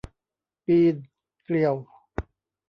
ปีนเกลียว